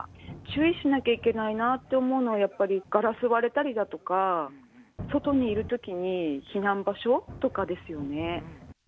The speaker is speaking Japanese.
注意しなきゃいけないなって思うのは、やっぱりガラス割れたりだとか、外にいるときに、避難場所とかですよね。